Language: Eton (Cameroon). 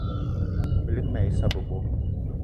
Balig mal ai issa bebo